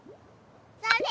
それ。